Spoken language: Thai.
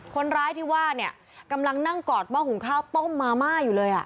คนร้ายที่ว่าเนี่ยกำลังนั่งกอดหม้อหุงข้าวต้มมาม่าอยู่เลย